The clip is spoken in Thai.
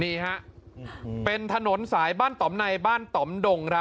นี่เป็นถนนสายบ้านตอมในบ้านตอมดง